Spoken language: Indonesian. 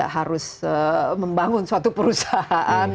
harus membangun suatu perusahaan